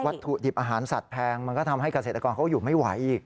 ถุดิบอาหารสัตว์แพงมันก็ทำให้เกษตรกรเขาอยู่ไม่ไหวอีก